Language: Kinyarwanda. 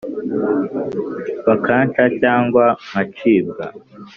Bakanca cyangwa ngacibwa